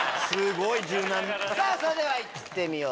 それでは行ってみよう！